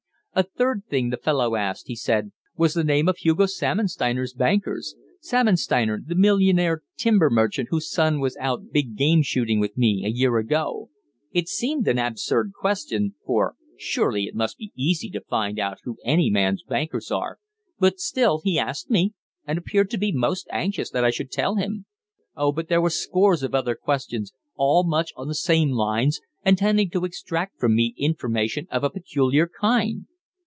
"A third thing the fellow asked," he said, "was the name of Hugo Salmonsteiner's bankers Salmonsteiner the millionaire timber merchant whose son was out big game shooting with me a year ago. It seemed an absurd question, for surely it must be easy to find out who any man's bankers are, but still he asked me, and appeared to be most anxious that I should tell him. Oh, but there were scores of other questions, all much on the same lines, and tending to extract from me information of a peculiar kind."